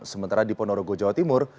sementara di ponorogo jawa timur